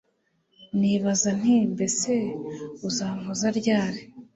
nibaza nti Mbese uzampoza ryari?